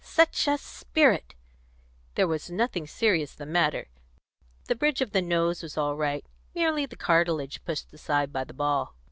Such a spirit! There was nothing serious the matter; the bridge of the nose was all right; merely the cartilage pushed aside by the ball."